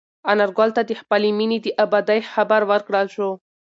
انارګل ته د خپلې مېنې د ابادۍ خبر ورکړل شو.